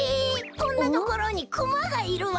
こんなところにクマがいるわ！